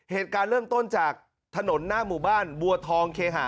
เหตุการณ์เริ่มต้นจากถนนหน้าหมู่บ้านบัวทองเคหะ